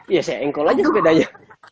ya saya engkol aja bedanya